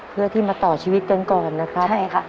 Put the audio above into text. เพื่อที่มาต่อชีวิตกันก่อนนะครับ